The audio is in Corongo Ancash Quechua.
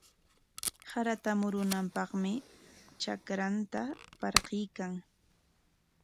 Sarata murunanpaqmi trakranta parquykan.